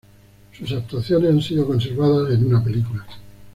Sus actuaciones han sido conservadas en una película.